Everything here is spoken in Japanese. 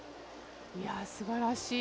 いや、すばらしい。